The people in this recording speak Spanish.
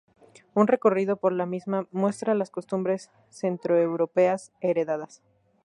Un recorrido por la misma muestra las costumbres centroeuropeas heredadas.